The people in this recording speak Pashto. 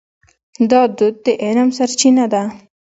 دا دود د علم سرچینه ده.